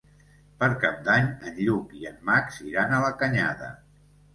Per Cap d'Any en Lluc i en Max iran a la Canyada.